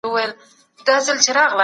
وريره د ورور لور